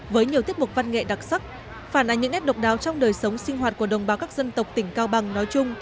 với nhiều tiết mục văn nghệ đặc sắc phản ánh những nét độc đáo trong đời sống sinh hoạt của đồng bào các dân tộc tỉnh cao bằng nói chung